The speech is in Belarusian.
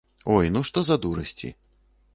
Ой, ну што за дурасці.